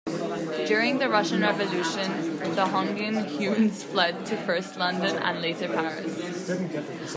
During the Russian Revolution, the Hoyningen-Huenes fled to first London, and later Paris.